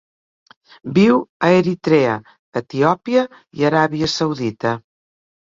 Viu a Eritrea, Etiòpia i Aràbia Saudita.